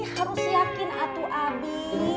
harus yakin atuh abi